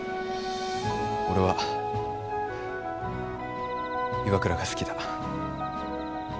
俺は岩倉が好きだ。